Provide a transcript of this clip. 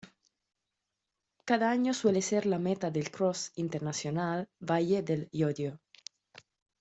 Cada año suele ser la meta del Cross Internacional Valle de Llodio.